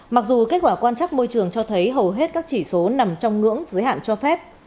mặc dù kết quả quan trắc môi trường cho thấy hầu hết các chỉ số nằm trong ngưỡng giới hạn cho phép